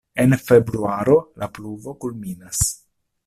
En februaro la pluvo kulminas.